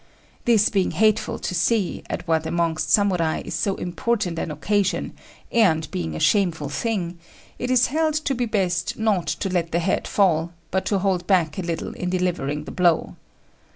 This being hateful to see, at what amongst Samurai is so important an occasion, and being a shameful thing, it is held to be best not to let the head fall, but to hold back a little in delivering the blow.